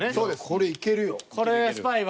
これいけるよ。